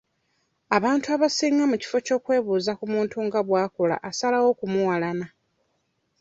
Abantu abasinga mu kifo ky'okwebuuza ku muntu nga bw'akola asalawo kumuwalana.